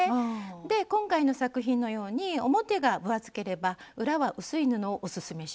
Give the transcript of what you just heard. で今回の作品のように表が分厚ければ裏は薄い布をオススメします。